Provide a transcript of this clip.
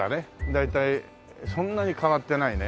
大体そんなに変わってないね。